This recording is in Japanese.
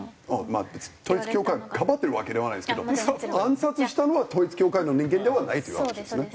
統一教会をかばってるわけではないんですけど暗殺したのは統一教会の人間ではないという話ですね。